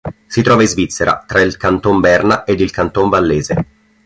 Si trova in Svizzera tra il Canton Berna ed il Canton Vallese.